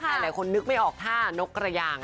หลายคนนึกไม่ออกท่านกกระยาง